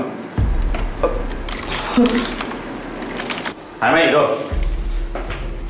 ถ่ายมาอีกด้วย